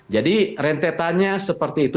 jadi rentetannya seperti itu